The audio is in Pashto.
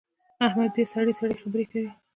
احمد بیا سړې سړې خبرې کوي.